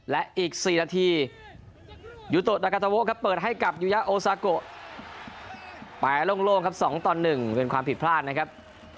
และอีก๔นาทียูโตดากาโตะครับเปิดให้กับยูยะโอซาโกไปโล่งครับ๒ต่อ๑เป็นความผิดพลาดนะครับ